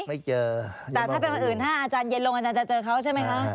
ไม่เจอแต่ถ้าเป็นวันอื่นถ้าอาจารย์เย็นลงอาจารย์จะเจอเขาใช่ไหมคะ